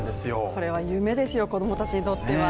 これは夢ですよ、子供たちにとっては。